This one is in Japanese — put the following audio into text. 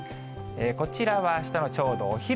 こちらはあしたのちょうどお昼。